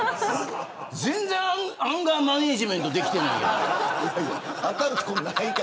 全然アンガーマネジメント出来てない。